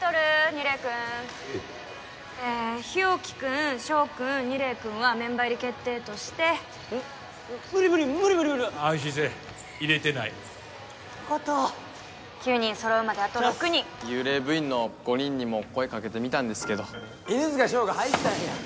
楡君うぃええ日沖君翔君楡君はメンバー入り決定としてえっ無理無理無理無理安心せえ入れてないよかった９人揃うまであと６人幽霊部員の５人にも声かけてみたんですけど犬塚翔が入ったんや